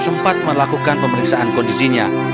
sempat melakukan pemeriksaan kondisinya